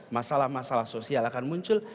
masalah masalah sosial akan muncul